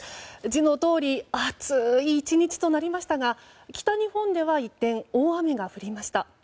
字のとおり暑い１日となりましたが北日本では一転大雨が降りました。